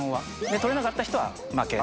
取れなかった人は負け。